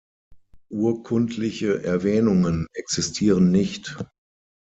Urkundliche Erwähnungen existieren nicht.